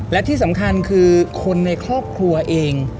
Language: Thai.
และที่สำคัญคือคนในครอบครัวเอง